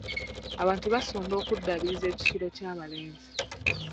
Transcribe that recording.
Abantu basonda okuddaabiriza ekisulo ky'abalenzi.